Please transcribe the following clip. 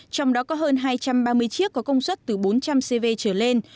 trong đó có hơn hai trăm ba mươi chiếc có công suất từ bốn trăm linh cv trở lên